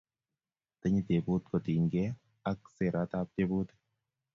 Atinye tebut kotinyke ak siretap tyebutik